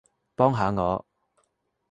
幫下我